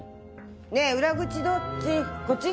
ねえ裏口どっち？